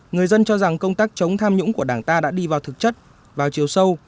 người dân cho rằng công tác chống tham nhũng của đảng ta đã đi vào thực chất vào chiều sâu